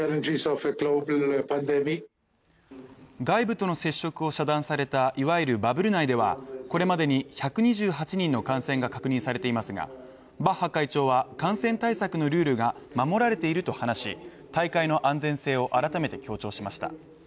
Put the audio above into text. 外部との接触を遮断された、いわゆるバブル内ではこれまでに１２８人の感染が確認されていますがバッハ会長は感染対策のルールが守られていると話し大会の安全性を改めて強調しました。